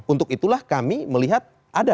untuk itulah kami melihat ada